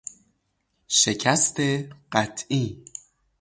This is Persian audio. شکست قطعی